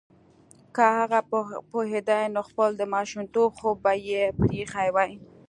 که هغه پوهیدای نو خپل د ماشومتوب خوب به یې پریښی وای